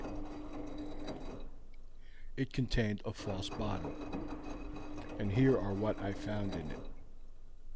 "It contained a false bottom, and here are what I found in it.